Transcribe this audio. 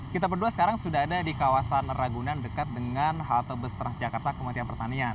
kita berdua sekarang sudah ada di kawasan ragunan dekat dengan halte bus transjakarta kementerian pertanian